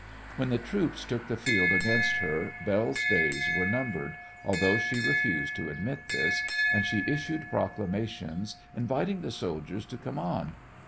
When the troops took the field against her Belle's days were numbered, although she refused to admit this, and she issued proclamations inviting the soldiers to come on.